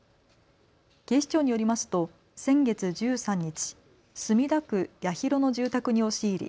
警視庁によりますと先月１３日、墨田区八広の住宅に押し入り